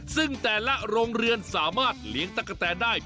ซึ่งแต่ละโรงเรือนสามารถเลี้ยงตะกะแตนได้